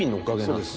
そうです。